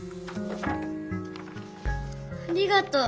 ありがとう。